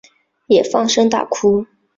也放声大哭